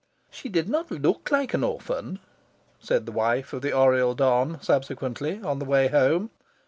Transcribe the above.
"She did not look like an orphan," said the wife of the Oriel don, subsequently, on the way home.